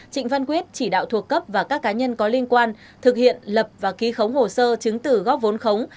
trịnh văn quyết chỉ đạo thuộc cấp và các cá nhân có liên quan thực hiện lập và ký khống hồ sơ chứng tử góp vốn khống